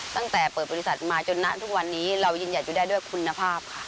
ตั้งแต่เปิดบริษัทมาจนนะทุกวันนี้เรายินอยากจะได้ด้วยคุณภาพค่ะ